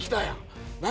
何？